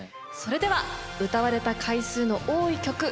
それではうたわれた回数の多い曲